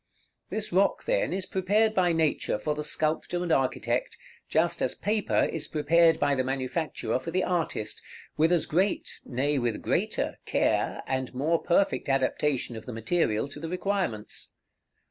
This rock, then, is prepared by Nature for the sculptor and architect, just as paper is prepared by the manufacturer for the artist, with as great nay, with greater care, and more perfect adaptation of the material to the requirements.